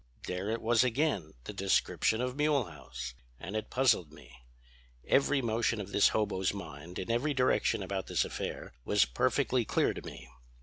"There it was again, the description of Mulehaus! And it puzzled me. Every motion of this hobo's mind in every direction about this affair was perfectly clear to me.